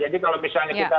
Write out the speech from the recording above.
jadi kalau misalnya kita